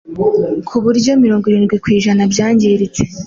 ku buryo ngo mirongo irindwi kw’ijana byangiritse